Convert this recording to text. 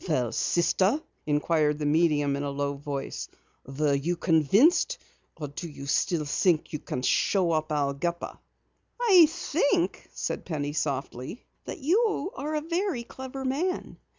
"Well, sister?" inquired the medium in a low voice. "Were you convinced, or do you still think that you can show up Al Gepper?" "I think," said Penny softly, "that you are a very clever man.